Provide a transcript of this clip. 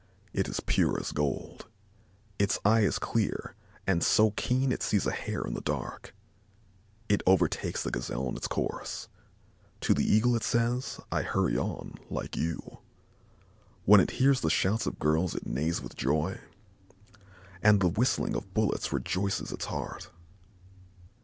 It is pure as gold. Its eye is clear and so keen that it sees a hair in the dark. It overtakes the gazelle in its course. To the eagle it says: I hurry on like you. When it hears the shouts of girls it neighs with joy, and the whistling of bullets rejoices its heart.